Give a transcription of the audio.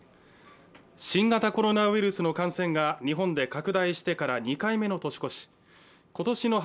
新型コロナウイルスの感染が日本で拡大してから２回目の年越し